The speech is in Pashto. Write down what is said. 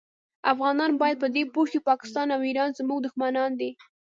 افغانان باید په دي پوه شي پاکستان او ایران زمونږ دوښمنان دي